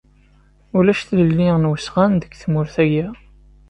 Ulac tilelli n usɣan deg tmurt-agi.